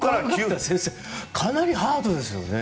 かなりハードですよね